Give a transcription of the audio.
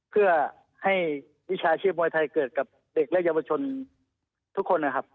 เพื่อให้วิชาชีพมวยไทยเกิดกับเด็กและเยาวชนทุกคนนะครับ